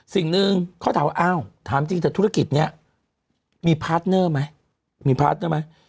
สิ่งหนึ่งเขาถามว่าอ้าวถามจริงแต่ธุรกิจนี้มีพาร์ทเนอร์ไหมมีพาร์ทเนอร์ไหม